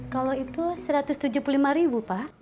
kalau itu rp satu ratus tujuh puluh lima pak